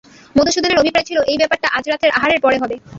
মধুসূদনের অভিপ্রায় ছিল এই ব্যাপারটা আজ রাত্রের আহারের পরে হবে।